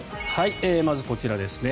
まずこちらですね。